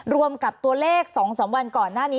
รวมกับตัวเลข๒๓วันก่อนหน้านี้